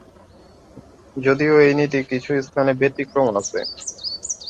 যদিও এই নীতি কিছু স্থানে ব্যতিক্রম আছে।